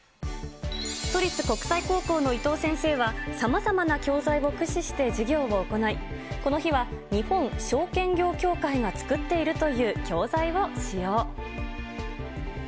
都立国際高校の伊東先生は、さまざまな教材を駆使して授業を行い、この日は日本証券業協会が作っているという教材を使用。